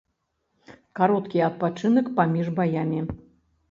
Кароткі адпачынак паміж баямі.